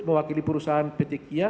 mewakili perusahaan pt kia